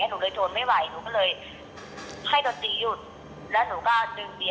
หนูก็อิ้มให้เขาอิ้มเพื่อให้เขาเกรงใจหนูอะไรอย่างเงี้ย